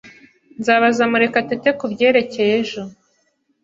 Nzabaza Murekatete kubyerekeye ejo.